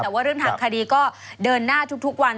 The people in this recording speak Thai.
แต่ว่าเรื่องทางคดีก็เดินหน้าทุกวัน